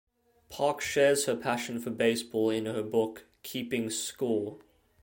Park shares her passion for baseball in her book, "Keeping Score".